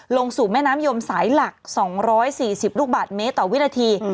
ลงสู่แม่น้ำยมสายหลัก๒๔๐ลูกบาทเมตรต่อวินาที